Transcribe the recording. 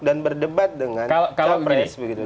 dan berdebat dengan capres begitu